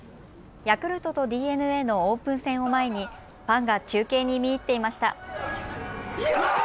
ヤクルトとＤｅＮＡのオープン戦を前にファンが中継に見入っていました。